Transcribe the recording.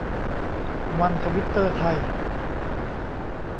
วันทวิตเตอร์ไทย